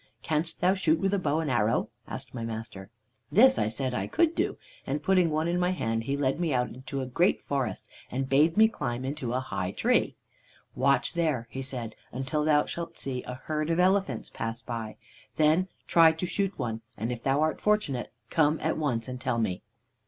"'Canst thou shoot with a bow and arrow?' asked my master. "This I said I could do, and putting one in my hand he led me out to a great forest and bade me climb into a high tree. "'Watch there,' he said, 'until thou shalt see a herd of elephants pass by. Then try to shoot one, and if thou art fortunate, come at once and tell me.'